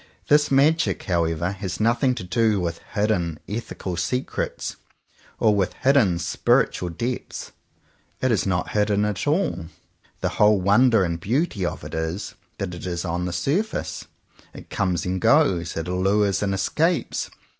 This magic," however, has nothing to do with hidden ethical secrets, or with hidden spiritual depths. It is not hidden at all. The whole wonder and beauty of it is that it is on the surface. It comes and goes. It allures and escapes.